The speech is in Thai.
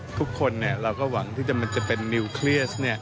ทุกคนเราก็หวังที่มันจะเป็นนิวเคลียร์